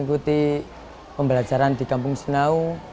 mengikuti pembelajaran di kampung senau